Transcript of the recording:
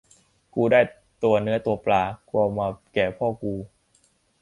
กูได้ตัวเนื้อตัวปลา กูเอามาแก่พ่อกู